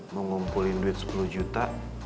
mau ngumpulin duit sepuluh juta